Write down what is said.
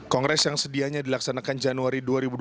kongres yang sedianya dilaksanakan januari dua ribu dua puluh